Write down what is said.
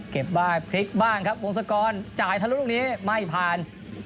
เก็บได้พลิกบ้างครับวงศกรจ่ายทะลุลูกนี้ไม่ผ่าน